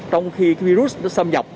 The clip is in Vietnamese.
trong khi virus nó xâm nhập